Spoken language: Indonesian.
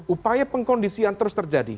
upaya pengkondisian terus terjadi